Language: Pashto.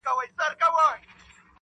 چوپ پاته وي,